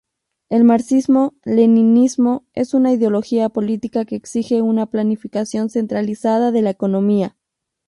El marxismo-leninismo es una ideología política que exige una planificación centralizada de la economía.